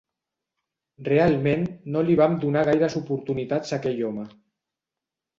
Realment, no li vam donar gaires oportunitats a aquell home.